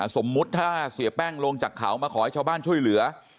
สมมุติถ้าเสียแป้งลงจากเขามาขอให้ชาวบ้านช่วยเหลือ